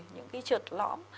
những cái trợt lõm